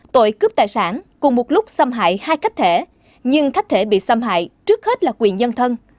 tội cướp tài sản cùng một lúc xâm hại hai cách thể nhưng khách thể bị xâm hại trước hết là quyền nhân thân